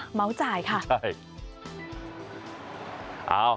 ฮะเมาส์จ่ายค่ะใช่